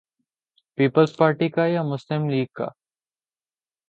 Peoples Party کا یا مسلم لیگ کا؟